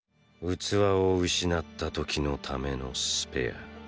器を失った時のためのスペア。